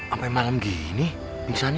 ampai malem gini pingsannya